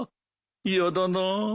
嫌だな。